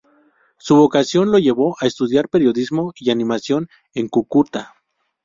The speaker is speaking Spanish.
Su vocación lo llevo a estudiar periodismo y animación en Cúcuta.